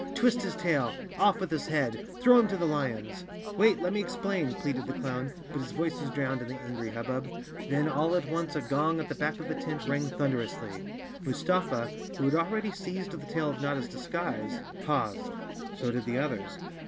Twist his tail; off with his head; throw him to the lions!" "Wait, let me explain," pleaded the clown, but his 49 The Cowardly Lion of Oz _ voice was drowned in the angry hubbub. Then all at once a gong at the back of the tent rang thunderously. Mustafa, who had already seized the tail of Notta's dis¬ guise, paused. So did the others.